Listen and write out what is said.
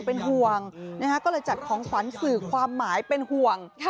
เป็นห่วงก็เลยจัดของขวัญสื่อความหมายเป็นห่วง